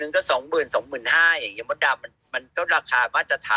นี่แม่กะเทยรอดูสุดฤทธิ์